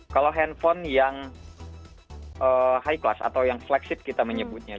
kalau handphone yang high class atau yang flagship kita menyebutnya